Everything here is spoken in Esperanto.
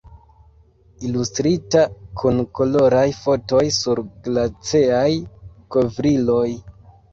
Ilustrita, kun koloraj fotoj sur glaceaj kovriloj.